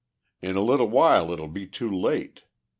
In a little while it will be too late.